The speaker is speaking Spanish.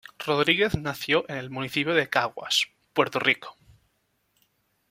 Rodríguez nació en el municipio de Caguas, Puerto Rico.